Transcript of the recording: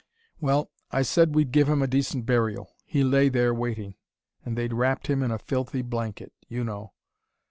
Well, I said we'd give him a decent burial. He lay there waiting and they'd wrapped him in a filthy blanket you know.